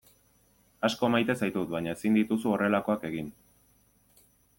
Asko maite zaitut baina ezin dituzu horrelakoak egin.